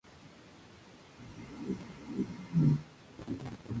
El matrimonio tuvo dos hijos, y Savage tuvo otro con su anterior esposa.